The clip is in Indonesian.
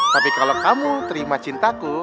tapi kalau kamu terima cintaku